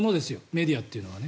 メディアというのは。